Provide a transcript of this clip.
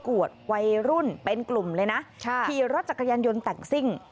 วดวัยรุ่นเป็นกลุ่มเลยนะขี่รถจักรยานยนต์แต่งซิ่ง